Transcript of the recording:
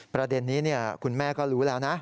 ประเด็นนี้คุณแม่ก็รู้แล้วนะ